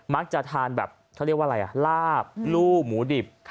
มักจะทานแบบเขาเรียกว่าอะไรอ่ะลาบลู่หมูดิบ